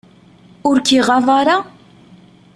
Ur k-iɣaḍ ara?